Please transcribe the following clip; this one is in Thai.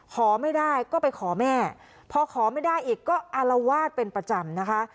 ขอไม่ได้ก็ไปขอแม่พอขอไม่ได้อีกก็อารวาสเป็นประจำนะคะ